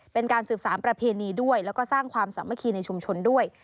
เป็นการสืบสารประเพณีด้วยแล้วก็สร้างความสามัคคีในชุมชนด้วย